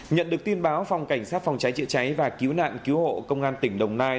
nhận được tin báo phòng cảnh sát phòng cháy chữa cháy và cứu nạn cứu hộ công an tỉnh đồng nai